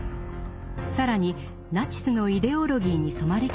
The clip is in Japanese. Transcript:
更にナチスのイデオロギーに染まり